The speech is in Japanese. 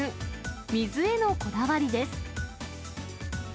水へのこだわりです。